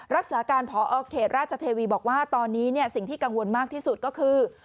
รักษาการพอเขตราชเทวีบอกว่าตอนนี้สิ่งที่กังวลมากที่สุดก็คือ